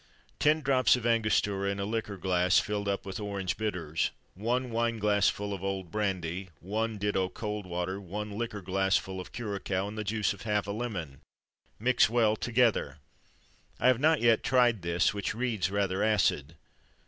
Ten drops of Angostura in a liqueur glass, filled up with orange bitters. One wine glassful of old brandy, one ditto cold water, one liqueur glassful of curaçoa, and the juice of half a lemon. Mix well together. I have not yet tried this, which reads rather acid.